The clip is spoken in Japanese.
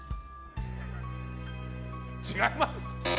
違います！